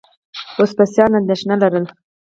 وسپاسیان اندېښنه لرله.